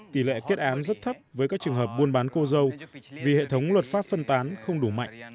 tỷ lệ kết án rất thấp với các trường hợp buôn bán cô dâu vì hệ thống luật pháp phân tán không đủ mạnh